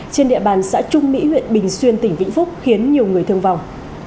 trên địa bàn xã trung mỹ huyện bình xuyên tỉnh vĩnh phúc khiến nhiều người thương vong